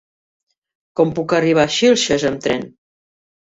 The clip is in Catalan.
Com puc arribar a Xilxes amb tren?